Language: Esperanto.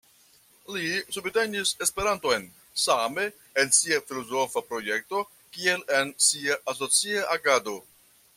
Li subtenis Esperanton same en sia filozofa projekto kiel en sia asocia agado.